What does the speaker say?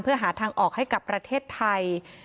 เพื่อหาทางออกให้กับประเทศไทย